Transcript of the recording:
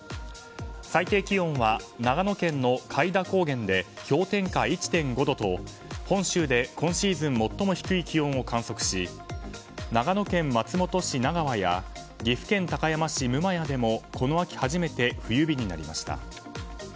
最低気温は長野県の開田高原で氷点下１．５度と本州で今シーズン最も低い気温を観測し長野県松本市奈川や岐阜県高山市六廐でもこの秋初めて冬日になりました。